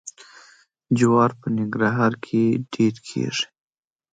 جوار په ننګرهار کې ډیر کیږي.